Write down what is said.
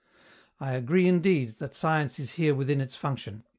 I agree indeed that science is here within its function.